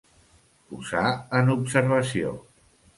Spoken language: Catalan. Posar en observació.